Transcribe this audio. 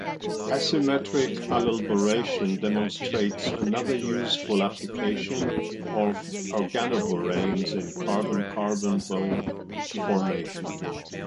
Asymmetric allylboration demonstrates another useful application of organoboranes in carbon-carbon bond formation.